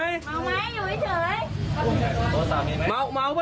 โทรศัพท์ตำรวจพี่